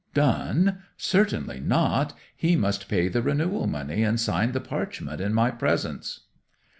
'"Done? Certainly not. He must pay the renewal money, and sign the parchment in my presence."